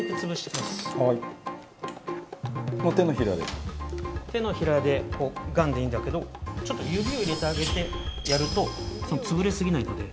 手のひらでガンでいいんだけど指を入れてあげてやると潰れすぎないので。